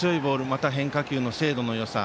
また、変化球の精度のよさ。